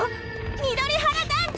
緑原団地！